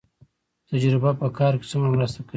تجربه په کار کې څومره مرسته کوي؟